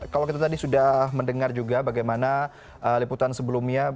kalau kita tadi sudah mendengar juga bagaimana liputan sebelumnya